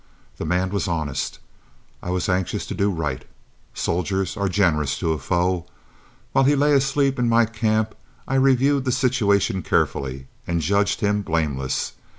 The man was honest. I was anxious to do right. Soldiers are generous to a foe. While he lay asleep in my camp, I reviewed the situation carefully, and judged him blameless.